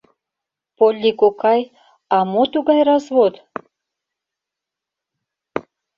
Полли кокай, а мо тугай развод?